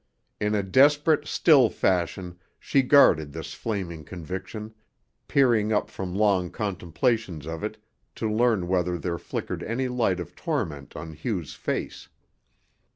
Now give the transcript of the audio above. In a desperate, still fashion she guarded this flaming conviction, peering up from long contemplations of it to learn whether there flickered any light of torment on Hugh's face.